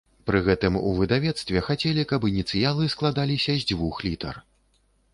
Пры гэтым, у выдавецтве хацелі, каб ініцыялы складаліся з дзвюх літар.